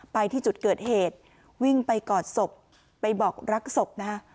ไปที่จุดเกิดเหตุวิ่งไปกอดศพไปบอกรักศพนะฮะ